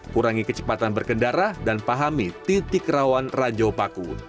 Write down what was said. kurangi kecepatan berkendara dan pahami titik rawan ranjau paku